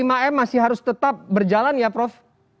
lima m masih harus tetap berjalan ya prof